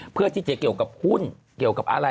เพื่อที่จะเกี่ยวกับหุ้นเกี่ยวกับอะไร